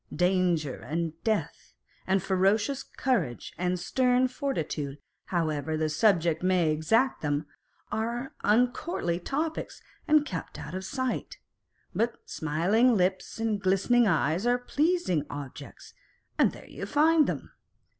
Danger and death, and ferocious courage and stern fortitude, however the subject may exact them, are uucourtly topics and kept out of sight : but smiling lips and glistening eyes are pleasing objects, and there you find them.